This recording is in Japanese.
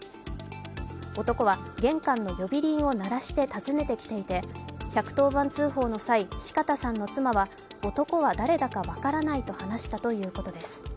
男は玄関の呼び鈴を鳴らして訪ねてきていて、１１０番通報の際、四方さんの妻は男は誰だか分からないと話したということです。